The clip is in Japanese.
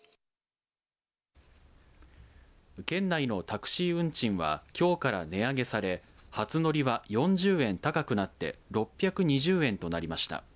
県内のタクシー運賃はきょうから値上げされ初乗りは４０円高くなって６２０円となりました。